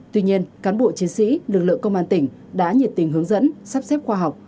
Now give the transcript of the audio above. tuy nhiên cán bộ chiến sĩ lực lượng công an tỉnh đã nhiệt tình hướng dẫn sắp xếp khoa học